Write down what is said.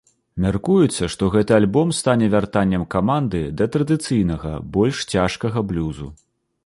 Мяркуецца, што гэты альбом стане вяртаннем каманды да традыцыйнага больш цяжкага блюзу.